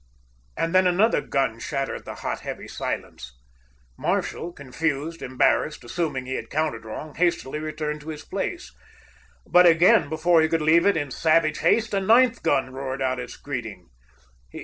And then another gun shattered the hot, heavy silence. Marshall, confused, embarrassed, assuming he had counted wrong, hastily returned to his place. But again before he could leave it, in savage haste a ninth gun roared out its greeting.